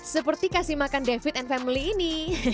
seperti kasih makan david and family ini